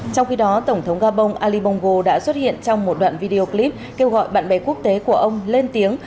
trong khi đó tổng thống gabon ali bongo đã xuất hiện trong một đoạn video clip kêu gọi bạn bè quốc tế của ông lên tiếng